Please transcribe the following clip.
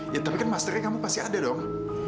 ya tapi kan maskernya kamu pasti ada dong